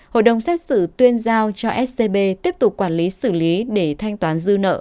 hội đồng xét xử tuyên giao cho scb tiếp tục quản lý xử lý để thanh toán dư nợ